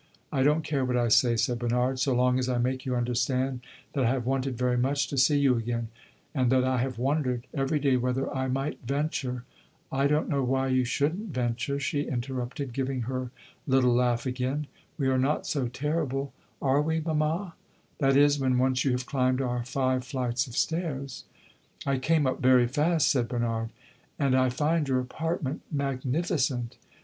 "I don't care what I say," said Bernard, "so long as I make you understand that I have wanted very much to see you again, and that I have wondered every day whether I might venture " "I don't know why you should n't venture!" she interrupted, giving her little laugh again. "We are not so terrible, are we, mamma? that is, when once you have climbed our five flights of stairs." "I came up very fast," said Bernard, "and I find your apartment magnificent."